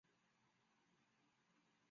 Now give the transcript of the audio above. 广平酂人。